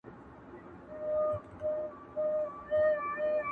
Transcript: ته له هره دِلستانه دِلستانه ښایسته یې